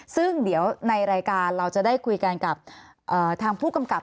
ซึ่งเดี๋ยวในรายการเราจะได้คุยกันกับทางผู้กำกับ